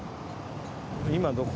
今どこ？